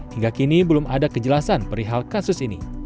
hingga kini belum ada kejelasan perihal kasus ini